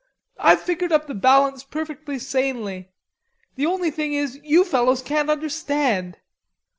I've figured up the balance perfectly sanely. The only thing is, you fellows can't understand.